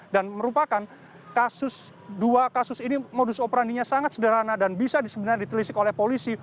dan merupakan kasus dua kasus ini modus operandinya sangat sederhana dan bisa sebenarnya ditelisik oleh polisi